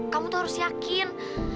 kamu tuh harus yakin